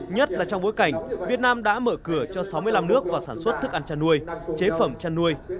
nhất là trong bối cảnh việt nam đã mở cửa cho sáu mươi năm nước vào sản xuất thức ăn chăn nuôi chế phẩm chăn nuôi